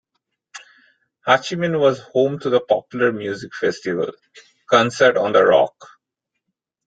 Hachimen was home to the popular music festival, Concert on the Rock.